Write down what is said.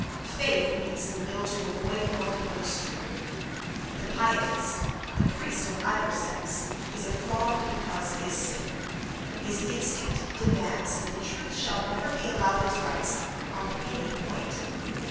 "Faith" means the will to avoid knowing what is true. The pietist, the priest of either sex, is a fraud because he is sick: his instinct demands that the truth shall never be allowed its rights on any point.